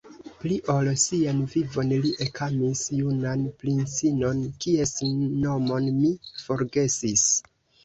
Pli ol sian vivon li ekamis junan princinon, kies nomon mi forgesis.